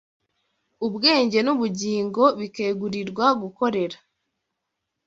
ubwenge n’ubugingo bikegurirwa gukorera